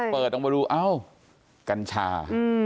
เปิดออกมาดูเอ้ากัญชา